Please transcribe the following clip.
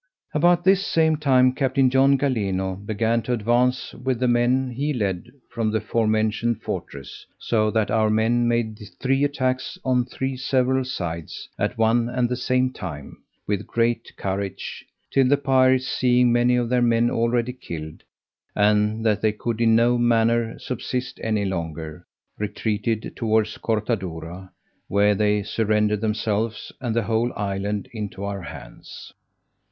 About this same time, Captain John Galeno began to advance with the men he led to the forementioned fortress; so that our men made three attacks on three several sides, at one and the same time, with great courage; till the pirates seeing many of their men already killed, and that they could in no manner subsist any longer, retreated towards Cortadura, where they surrendered, themselves and the whole island, into our hands.